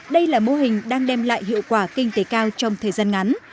đây là mô hình đang đem lại hiệu quả kinh tế cao trong thời gian ngắn